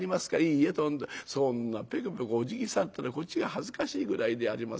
いいえとんでもそんなペコペコおじぎされたらこっちが恥ずかしいぐらいでありませんか。